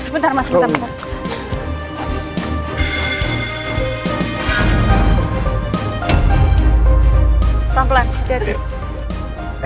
berselanjutnya treman tiga ratus enam puluh